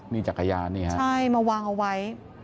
นี่จักรยานนี่ฮะใช่มาวางเอาไว้